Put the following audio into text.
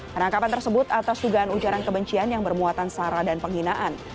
penangkapan tersebut atas tugaan ujaran kebencian yang bermuatan sara dan penghinaan